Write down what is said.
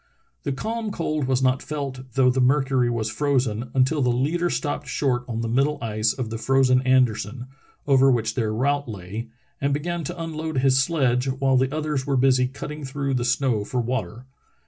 The calm cold was not felt, though the mercury was frozen, until the leader stopped short on the middle ice of the frozen Anderson, over which their route lay, and began to unload his sledge while the others were busy cutting through the snow for water.